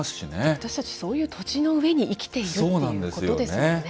私たち、そういう土地の上に生きているっていうことですよね。